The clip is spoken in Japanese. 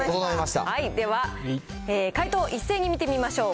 では、回答、一斉に見てみましょう。